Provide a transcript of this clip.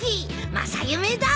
正夢だ。